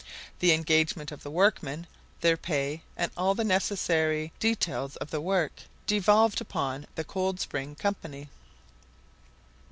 The engagement of the workmen, their pay, and all the necessary details of the work, devolved upon the Coldspring Company.